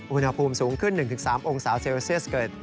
อุณหภูมิสูงขึ้น๑๓องศาเซลเซียสเกิด